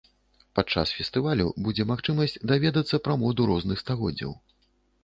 Падчас фестывалю будзе магчымасць даведацца пра моду розных стагоддзяў.